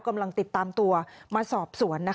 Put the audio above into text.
กำลังติดตามตัวมาสอบสวน